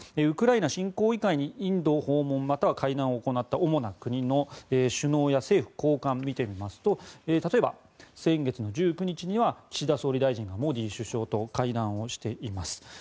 ウクライナ侵攻以外にインド訪問または会談を行った主な国の首脳や政府高官を見てみますと例えば、先月１９日には岸田総理大臣がモディ首相と会談をしています。